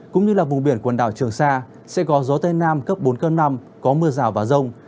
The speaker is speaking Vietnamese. cũng như là vùng biển quần đảo trường sa sẽ có gió tây nam cấp bốn năm có mưa rào và rông